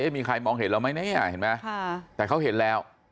มีใครมองเห็นแล้วมั้ยเนี่ยแต่เขาเห็นแล้ว